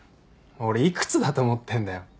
俺幾つだと思ってんだよ。